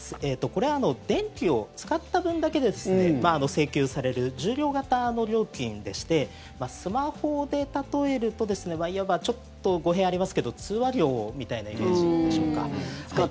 これは電気を使った分だけ請求される従量型の料金でしてスマホで例えるといわばちょっと語弊がありますが通話料みたいなイメージでしょうか。